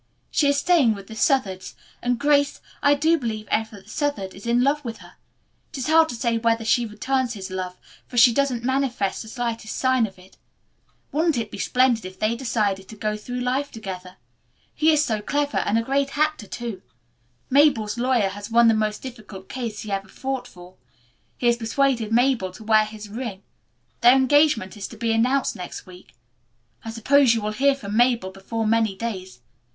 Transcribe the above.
She is staying with the Southards, and, Grace, I do believe Everett Southard is in love with her. It is hard to say whether she returns his love, for she doesn't manifest the slightest sign of it. Wouldn't it be splendid if they did decide to go through life together? He is so clever, and a great actor too. Mabel's lawyer has won the most difficult case he ever fought for. He has persuaded Mabel to wear his ring. Their engagement is to be announced next week. I suppose you will hear from Mabel before many days.